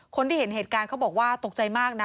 คนที่เห็นเหตุการณ์เขาบอกว่าตกใจมากนะ